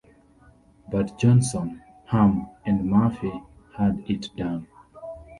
But Johnson, Ham and Murphy had it done.